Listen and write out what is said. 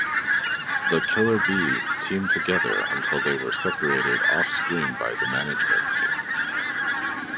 The Killer Bees teamed together until they were separated off-screen by the management team.